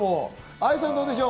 愛さんどうでしょう？